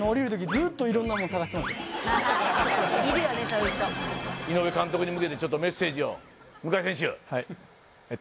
そういう人井上監督に向けてちょっとメッセージを向選手はいえっと